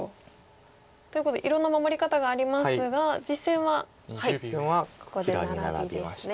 ということでいろんな守り方がありますが実戦はここでナラビですね。